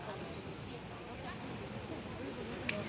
สวัสดีครับทุกคน